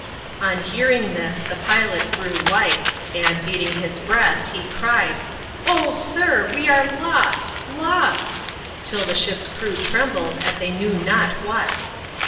On hearing this the pilot grew white, and, beating his breast, he cried, "Oh, sir, we are lost, lost!" till the ship's crew trembled at they knew not what.